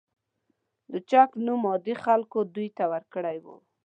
لوچک نوم عادي خلکو دوی ته ورکړی و.